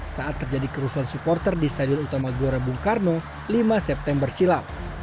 saat terjadi kerusuhan supporter di stadion utama gelora bung karno lima september silam